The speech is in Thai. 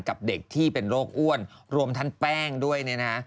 กับเด็กที่เป็นโรคอ้วนรวมทั้งแป้งด้วยเนี่ยนะ